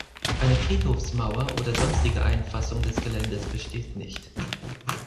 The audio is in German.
Eine Friedhofsmauer oder sonstige Einfassung des Geländes besteht nicht.